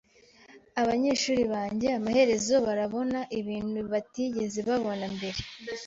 Abanyeshuri banjye amaherezo barabona ibintu batigeze babona mbere.